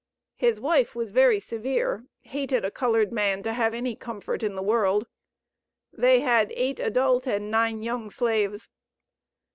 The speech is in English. His wife was very severe; hated a colored man to have any comfort in the world. They had eight adult and nine young slaves."